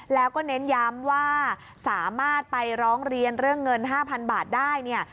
แล้วก็เน้นย้ำว่าสามารถไปร้องเรียนเรื่องเงิน๕๐๐๐บาทได้เนี่ย